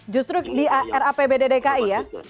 justru di rapbd dki ya